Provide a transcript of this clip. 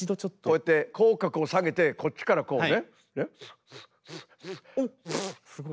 こうやって口角を下げてこっちからこうね。